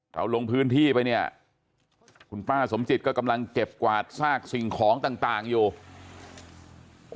เราลงพื้นที่ไปเนี่ยคุณป้าสมจิตก็กำลังเก็บกวาดซากสิ่งของต่างอยู่